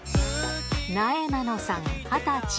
なえなのさん２０歳。